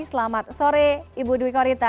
selamat sore ibu dwi korita